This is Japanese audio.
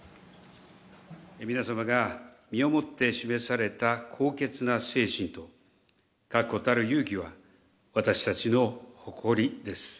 皆様が身をもって示された高潔な精神と、確固たる勇気は、私たちの誇りです。